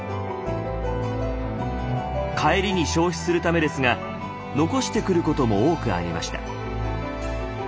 帰りに消費するためですが残してくることも多くありました。